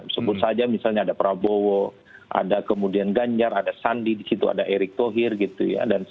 sebut saja misalnya ada prabowo ada kemudian ganjar ada sandi di situ ada erick thohir gitu ya